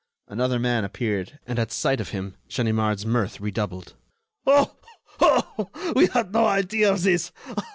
Another man appeared and at sight of him Ganimard's mirth redoubled. "Oh! oh! we had no idea of this!